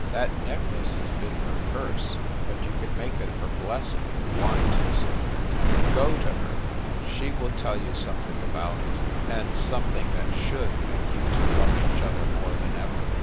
"That necklace has been her curse, but you can make it her blessing if you want to," said Fenton. "Go to her and she will tell you something about it and something that should make you two love each other more than ever."